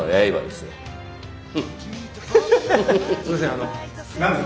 すみません。